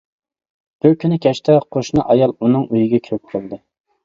بىر كۈنى كەچتە قوشنا ئايال ئۇنىڭ ئۆيىگە كىرىپ كەلدى.